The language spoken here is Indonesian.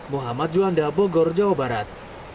muhammad juanda bogor jawa barat